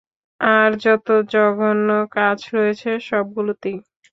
আর যত জঘন্য কাজ রয়েছে সবগুলোতেই।